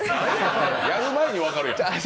やる前に分かるやん。